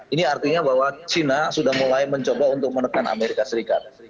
ini artinya bahwa china sudah mulai mencoba untuk menekan amerika serikat